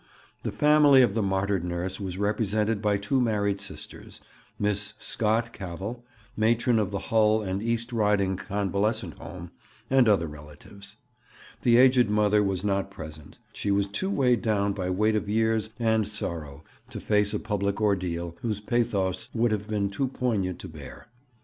The family of the martyred nurse was represented by two married sisters, Miss Scott Cavell, matron of the Hull and East Riding Convalescent Home, and other relatives. The aged mother was not present; she was too weighed down by weight of years and sorrow to face a public ordeal whose pathos would have been too poignant to bear.